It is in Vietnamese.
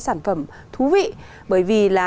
sản phẩm thú vị bởi vì là